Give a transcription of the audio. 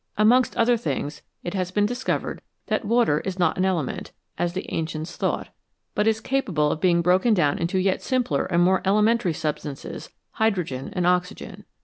Amongst other things, it has been discovered that water is not an element, as the ancients thought, but is capable of being broken down into yet simpler and more elemen tary substances, hydrogen and oxygen.